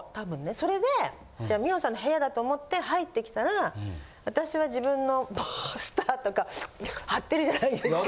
それで美穂さんの部屋だと思って入ってきたら私は自分のポスターとか貼ってるじゃないですか。